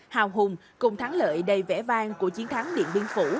hào hùng cùng thắng lợi đầy vẽ vang của chiến thắng điện biên phủ